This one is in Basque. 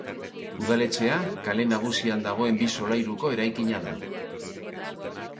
Udaletxea kale nagusian dagoen bi solairuko eraikina da.